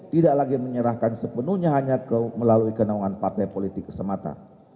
tidak lagi menyerahkan sepenuhnya hanya melalui kenaungan partai politik semata